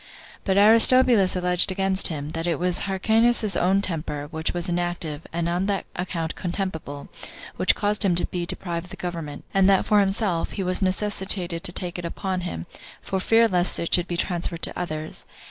But Aristobulus alleged against him, that it was Hyrcanus's own temper, which was inactive, and on that account contemptible, which caused him to be deprived of the government; and that for himself, he was necessitated to take it upon him, for fear lest it should be transferred to others.